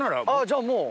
じゃもう。